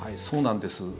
そうなんです。